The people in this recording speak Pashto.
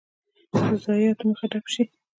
د ضایعاتو مخه ډب شي.